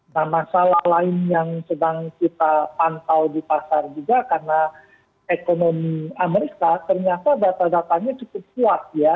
nah masalah lain yang sedang kita pantau di pasar juga karena ekonomi amerika ternyata data datanya cukup kuat ya